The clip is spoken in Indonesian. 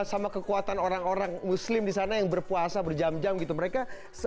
sama kekuatan orang orang muslim di sana yang berpuasa berjam jam gitu mereka